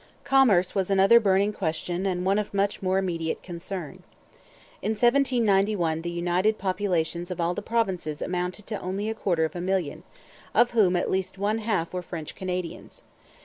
Commerce was another burning question and one of much more immediate concern. In 1791 the united populations of all the provinces amounted to only a quarter of a million, of whom at least one half were French Canadians.